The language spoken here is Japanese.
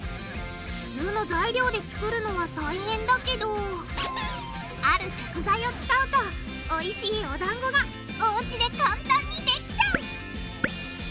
普通の材料で作るのは大変だけどある食材を使うとおいしいおだんごがおうちで簡単にできちゃう！